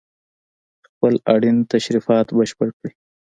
خپل اړين تشريفات بشپړ کړي